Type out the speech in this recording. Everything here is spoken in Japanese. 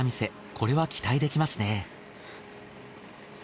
これは期待できますね。